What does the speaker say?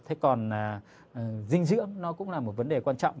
thế còn dinh dưỡng nó cũng là một vấn đề quan trọng